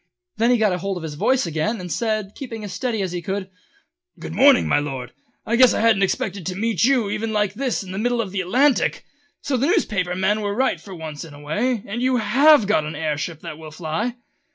Then he got hold of his voice again and said, keeping as steady as he could: "Good morning, my Lord! Guess I never expected to meet even you like this in the middle of the Atlantic! So the newspaper men were right for once in a way, and you have got an air ship that will fly?"